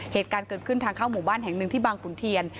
เหตุการณ์เกิดขึ้นทางเข้าหมู่บ้านแห่งหนึ่งที่บางขุนเทียน